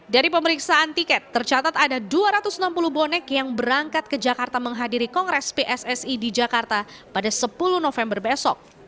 dari pemeriksaan tiket tercatat ada dua ratus enam puluh bonek yang berangkat ke jakarta menghadiri kongres pssi di jakarta pada sepuluh november besok